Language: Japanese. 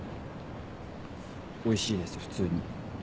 おいしいです普通に。